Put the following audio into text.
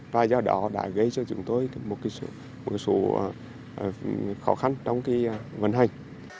và do đó đã gây cho chúng tôi một số khó khăn trong vận hành